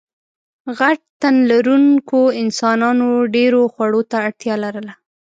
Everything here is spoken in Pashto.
غټ تنلرونکو انسانانو ډېرو خوړو ته اړتیا لرله.